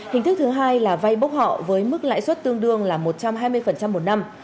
hình thức thứ hai là vay bốc họ với mức lãi suất tương đương là một trăm hai mươi một năm